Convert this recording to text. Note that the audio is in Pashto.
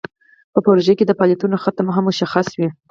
په پروژه کې د فعالیتونو ختم هم مشخص وي.